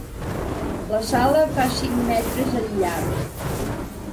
La sala fa cinc metres al llarg.